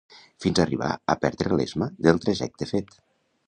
Fins arribar a perdre l'esma del trajecte fet